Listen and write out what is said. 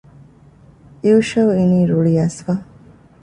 ޔޫޝައު އިނީ ރުޅިއައިސްފަ